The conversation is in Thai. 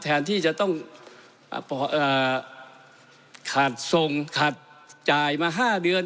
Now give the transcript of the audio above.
แทนที่จะต้องขาดทรงขาดจ่ายมา๕เดือน